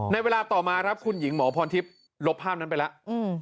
ในเวลาต่อมาครับคุณหญิงหมอพรทิพย์ลบภาพนั้นไปแล้ว